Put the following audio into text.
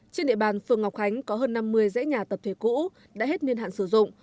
trên địa bàn phường ngọc khánh có hơn năm mươi dãy nhà tập thể cũ đã hết niên hạn sử dụng